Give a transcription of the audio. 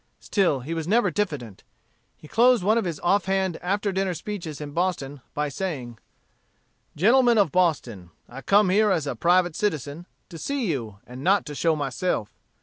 Still he was never diffident. He closed one of his off hand after dinner speeches in Boston, by saying: "Gentlemen of Boston, I come here as a private citizen, to see you, and not to show myself.